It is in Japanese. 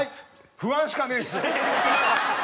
不安しかねえっす。